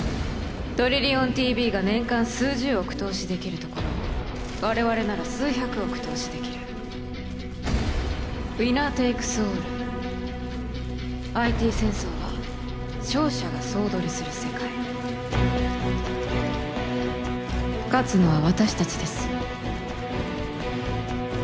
トリリオンＴＶが年間数十億投資できるところを我々なら数百億投資できるＷｉｎｎｅｒ−ｔａｋｅｓ−ａｌｌＩＴ戦争は勝者が総取りする世界勝つのは私達です